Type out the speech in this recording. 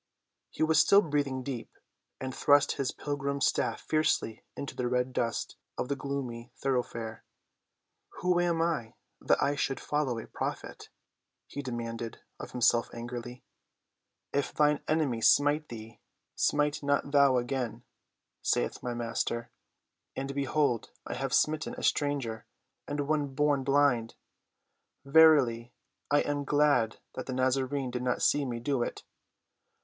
He was still breathing deep, and thrust his pilgrim's staff fiercely into the red dust of the gloomy thoroughfare. "Who am I that I should follow a prophet?" he demanded of himself angrily. "'If thine enemy smite thee smite not thou again,' saith my Master; and behold I have smitten a stranger and one born blind. Verily, I am glad that the Nazarene did not see me do it.